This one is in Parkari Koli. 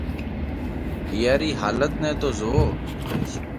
اِيئا رِي حالت نئہ تو زوئو۔